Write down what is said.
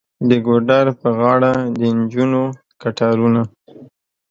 د ګودر په غاړه د نجونو کتارونه.